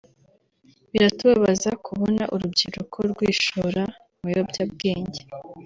Biratubabaza kubona urubyiruko rwishora mu biyobyabwenge